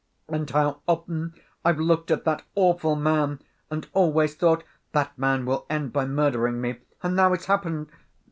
And how often I've looked at that awful man and always thought, that man will end by murdering me. And now it's happened